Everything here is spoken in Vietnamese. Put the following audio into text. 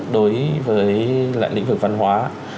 đối với lại lĩnh vực văn hóa